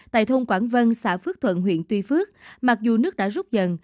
tại thôn quảng vân xã phước thuận huyện tuy phước mặc dù nước đã rút dần